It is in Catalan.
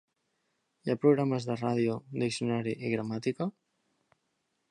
Hi ha programes de ràdio, diccionari i gramàtica.